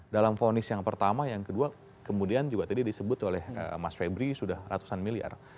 dalam ponis yang pertama yang kedua kemudian juga tadi disebut oleh mas febri sudah ratusan miliar